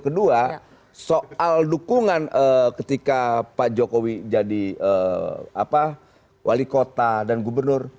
kedua soal dukungan ketika pak jokowi jadi wali kota dan gubernur